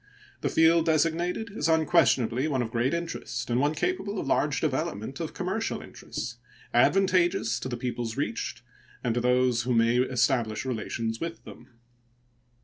The field designated is unquestionably one of interest and one capable of large development of commercial interests advantageous to the peoples reached and to those who may establish relations with them.